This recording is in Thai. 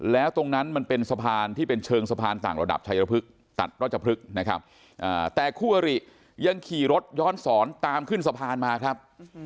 แล้วตรงนั้นมันเป็นสะพานที่เป็นเชิงสะพานต่างระดับชัยระพฤกษ์ตัดราชพฤกษ์นะครับแต่คู่อริยังขี่รถย้อนสอนตามขึ้นสะพานมาครับ